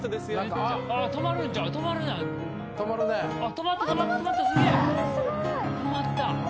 止まった。